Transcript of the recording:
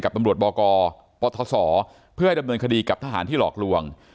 ตำรวจบกปศเพื่อให้ดำเนินคดีกับทหารที่หลอกลวง